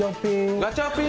ガチャピン。